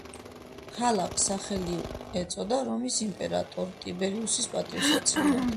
ქალაქს სახელი ეწოდა რომის იმპერატორ ტიბერიუსის პატივსაცემად.